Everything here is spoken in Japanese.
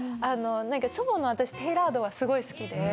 祖母のテーラードがすごい好きで。